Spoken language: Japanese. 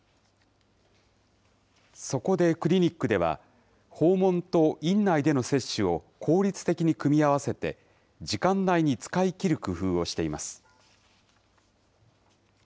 そこでクリニックでは、訪問と院内での接種を効率的に組み合わせて、時間内に使い切る工夫をしています。